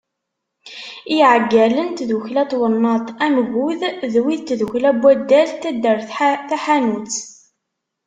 I Iɛeggalen n tddukkla n twennaḍt Amgud d wid n tdukkla n waddal n taddart Taḥanut.